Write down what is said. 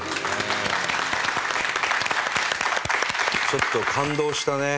ちょっと感動したね。